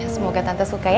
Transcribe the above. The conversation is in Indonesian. semoga tante suka ya